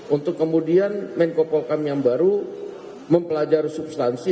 untuk kemudian menko polkam yang baru mempelajari substansi